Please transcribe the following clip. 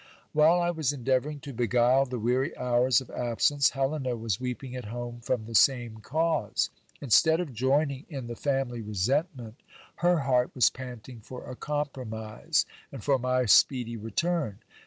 While I was endeavouring to beguile the weary hours of absence, Helena was weeping at home from the same cause. Instead of joining in the family resentment, her heart was panting for a compromise, and for my speedy return.